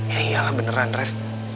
ya iyalah beneran ref